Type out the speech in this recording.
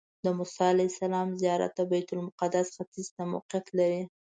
د موسی علیه السلام زیارت د بیت المقدس ختیځ ته موقعیت لري.